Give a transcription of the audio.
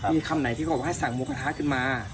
มีคำไหนที่เขาบอกให้สั่งหมูกระทะขึ้นมา